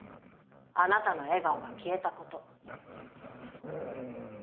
あなたの笑顔が消えたこと。